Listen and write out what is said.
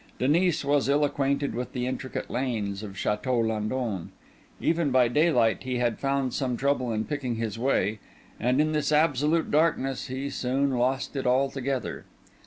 Denis was ill acquainted with the intricate lanes of Chateau Landon; even by daylight he had found some trouble in picking his way; and in this absolute darkness he soon lost it altogether.